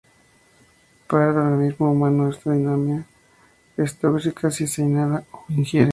Para el organismo humano, esta diamina es tóxica si se inhala o ingiere.